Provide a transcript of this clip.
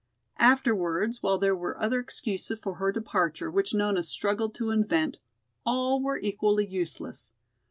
Afterwards, while there were other excuses for her departure which Nona struggled to invent, all were equally useless.